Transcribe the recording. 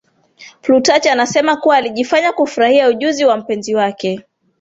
Plutarch anasema kuwa alijifanya kufurahia ujuzi wa mpenzi wake